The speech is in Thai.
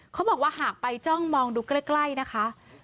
เขาบอกว่าหากไปจ้องมองดูใกล้นะคะ